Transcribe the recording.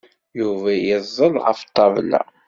Yuba yeẓẓel ɣef ṭṭabla.